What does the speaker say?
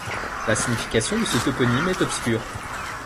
La signification de ce toponyme est obscure.